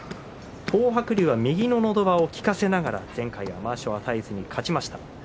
東白龍は右ののど輪を効かせながら前回もまわしを与えずに勝ちました。